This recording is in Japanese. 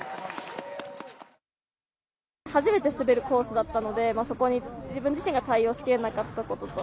初めて滑るコースだったのでそこに自分自身が対応しきれなかった。